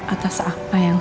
atas apa yang